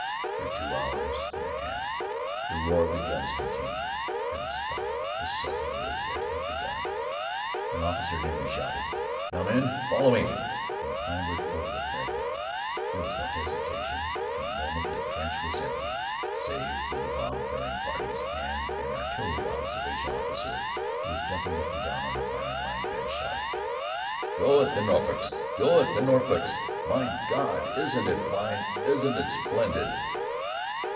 For two hours and a half the roar of guns continued. Then it stopped as suddenly as it had begun. An officer near me shouted, "Now, men! Follow me!" and clambered over the parapet. There was no hesitation. In a moment the trench was empty save for the bomb carrying parties and an artillery observation officer, who was jumping up and down on the firing bench, shouting "Go it, the Norfolks! Go it, the Norfolks! My God! Isn't it fine! Isn't it splendid!"